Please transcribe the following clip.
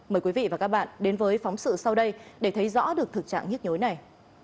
mời quý vị và các bạn đến với phóng sự sau đây để thấy rõ được thực trạng nhức nhối này